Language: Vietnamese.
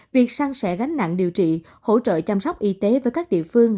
việc săn sẻ gánh nặng điều trị hỗ trợ chăm sóc y tế với các địa phương